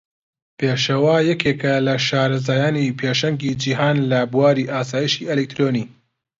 پێشەوا یەکێکە لە شارەزایانی پێشەنگی جیهان لە بواری ئاسایشی ئەلیکترۆنی.